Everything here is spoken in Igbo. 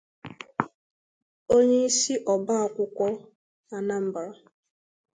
onyeisi Ọba Akwụkwọ Anambra